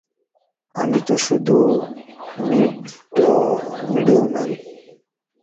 আমি তো শুধু মিডলম্যান।